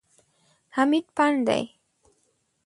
حمید پنډ دی.